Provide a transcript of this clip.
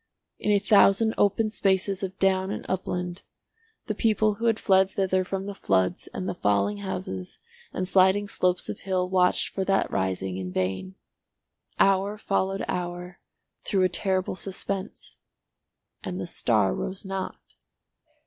In a thousand open spaces of down and upland the people who had fled thither from the floods and the falling houses and sliding slopes of hill watched for that rising in vain. Hour followed hour through a terrible suspense, and the star rose not.